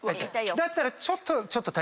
だったらちょっと体重。